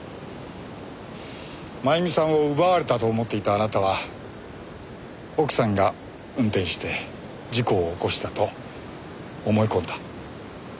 真由美さんを奪われたと思っていたあなたは奥さんが運転して事故を起こしたと思い込んだ。